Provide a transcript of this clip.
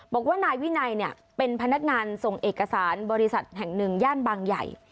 บอกว่านายวินัยเป็นพนักงานส่งเอกสารบริษัทแห่งหนึ่งย่านบางใหญ่